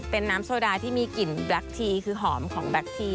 เป็นน้ำโซดาที่มีกลิ่นแบล็คทีคือหอมของแบ็คที